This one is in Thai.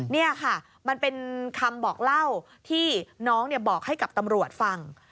นี่ค่ะมันเป็นคำบอกเล่าที่น้องบอกให้กับตำรวจฟัง